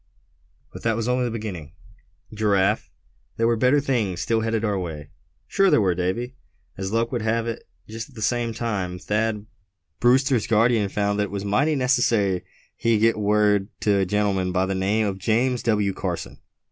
"But that was only a beginning, Giraffe; there were better things still headed our way." "Sure there were, Davy. As luck would have it, just at that same time Thad Brewster's guardian found that it was mighty necessary he get word to a gentleman by the name of James W. Carson.